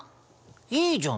いいじゃん！